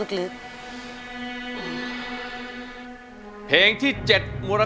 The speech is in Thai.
คุณสึกอฮิลิเม้อร์